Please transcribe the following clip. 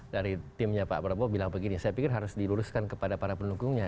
dari timnya pak prabowo bilang begini saya pikir harus diluruskan kepada para pendukungnya